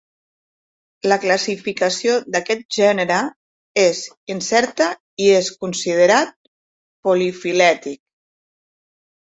La classificació d'aquest gènere és incerta i és considerat polifilètic.